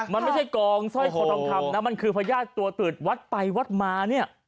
มันไม่ใช่กองสร้อยคอทองคำนะมันคือพญาติตัวตืดวัดไปวัดมาเนี่ย